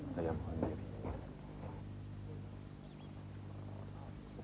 saya mohon diri